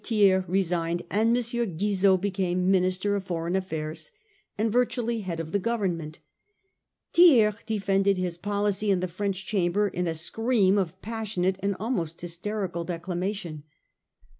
Thiers resigned ; and M. Guizot became Minister for Foreign Affairs, and virtually head of the Govern ment. Thiers defended his policy in the French Chamber in a scream of passionate and almost hys terical declamation.